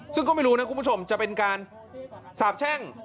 ซึ่งก็ไม่รู้นะคุณผู้ชมจะเป็นการสาบแช่ง